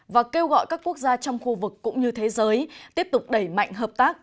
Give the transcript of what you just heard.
và kêu gọi các quốc gia trong khu vực cũng như thế giới tiếp tục đẩy mạnh hợp tác